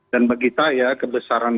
dan bagi saya kebesaran